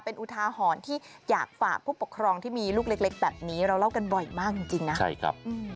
เป็นอุทาหรณ์ที่อยากฝากผู้ปกครองที่มีลูกเล็กแบบนี้เราเล่ากันบ่อยมากจริงนะใช่ครับ